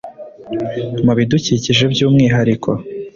ku bidukikije by umwihariko